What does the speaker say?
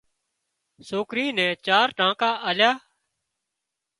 سوڪري نين چار ٽانڪا آليا